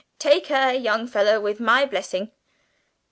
Take her, young fellow, with my blessing!